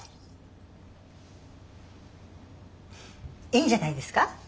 いいんじゃないですか。